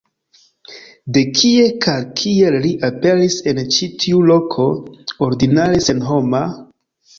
De kie kaj kiel li aperis en ĉi tiu loko, ordinare senhoma?